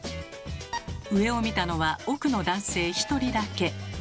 上を見たのは奥の男性１人だけ。